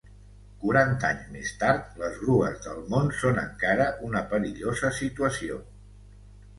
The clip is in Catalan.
Quaranta anys més tard, les grues del món són encara una perillosa situació.